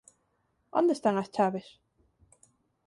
Onde están as chaves?